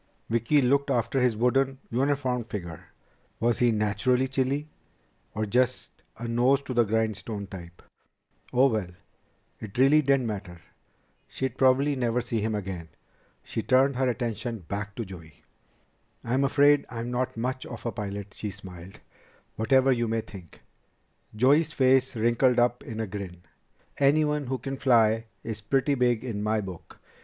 Vicki looked after his wooden, uniformed figure. Was he naturally chilly, or just a nose to the grindstone type? Oh, well! It really didn't matter. She'd probably never see him again. She turned her attention back to Joey. "I'm afraid I'm not much of a pilot" she smiled "whatever you may think." Joey's face wrinkled up in a grin. "Anyone who can fly is pretty big in my book."